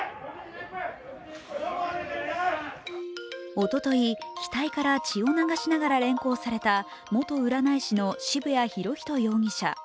おととい額から血を流しながら連行された元占い師の渋谷博仁容疑者。